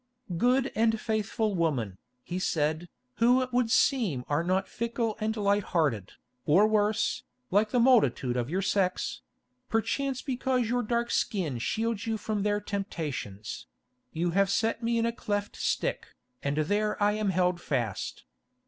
"Good and faithful woman," he said, "who it would seem are not fickle and light hearted, or worse, like the multitude of your sex—perchance because your dark skin shields you from their temptations—you have set me in a cleft stick, and there I am held fast.